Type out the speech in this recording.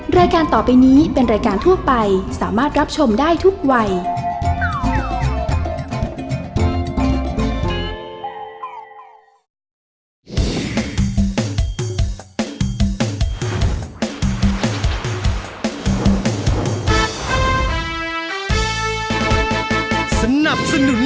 รายการต่อไปนี้เป็นรายการทั่วไปสามารถรับชมได้ทุกวัย